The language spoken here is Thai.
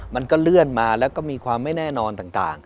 มันก็เลื่อนมาแล้วก็มีความไม่แน่นอนต่าง